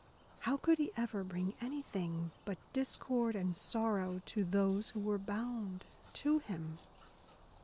How could he ever bring anything but discord and sorrow to those who were bound to him?